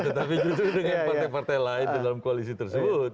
tetapi juga dengan partai partai lain dalam koalisi tersebut